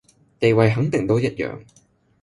地位肯定都一樣